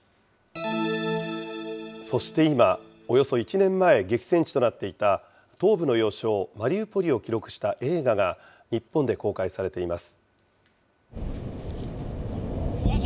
そして今、およそ１年前、激戦地となっていた東部の要衝マリウポリを記録した映画が、日本で公開されています。